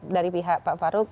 dari pihak pak faruk